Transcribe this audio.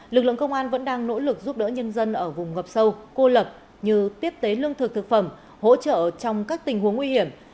lực lượng công an vẫn đang nỗ lực giúp đỡ nhân dân ở vùng ngập sâu cô lập như tiếp tế lương thực thực phẩm hỗ trợ trong các tình huống nguy hiểm